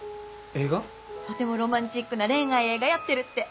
とてもロマンチックな恋愛映画やってるって。